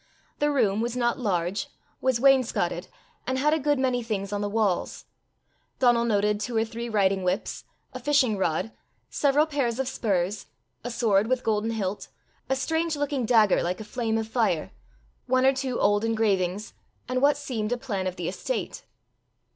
The room was not large, was wainscoted, and had a good many things on the walls: Donal noted two or three riding whips, a fishing rod, several pairs of spurs, a sword with golden hilt, a strange looking dagger like a flame of fire, one or two old engravings, and what seemed a plan of the estate.